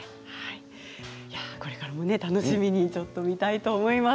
これからも楽しみに見たいと思います。